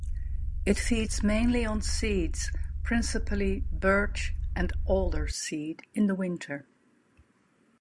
It feeds mainly on seeds, principally birch and alder seed in the winter.